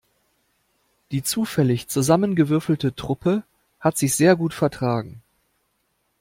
Die zufällig zusammengewürfelte Truppe hat sich sehr gut vertragen.